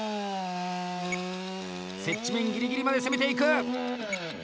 接地面ぎりぎりまで攻めていく。